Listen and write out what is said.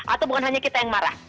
atau bukan hanya kita yang marah